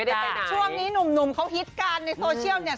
ยังไม่ได้ไปไหนช่วงนี้หนุ่มเขาฮิตกันในโซเชียลเนี่ย